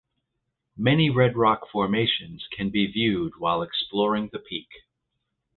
Many red rock formations can be viewed while exploring the peak.